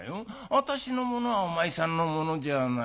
私のものはお前さんのものじゃないか。